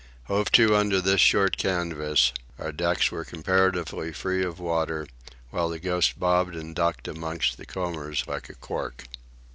Hove to under this short canvas, our decks were comparatively free of water, while the Ghost bobbed and ducked amongst the combers like a cork.